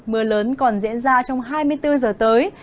mưa lớn còn diễn ra trong hai mươi bốn giờ tới